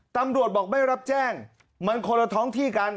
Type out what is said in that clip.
ตำรวจบอกไม่รับแจ้งมันคนละท้องที่กัน